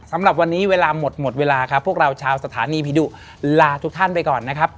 สำหรับวันนี้เวลาหมดหมดเวลาครับพวกเราชาวสถานีผีดุลาทุกท่านไปก่อนนะครับ